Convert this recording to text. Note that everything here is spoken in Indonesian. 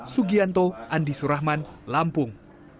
sugianto andi surahman lampung